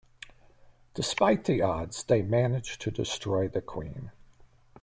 Despite the odds, they manage to destroy the Queen.